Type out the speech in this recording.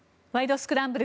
スクランブル」